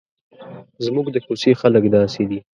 زموږ د کوڅې خلک داسې دي.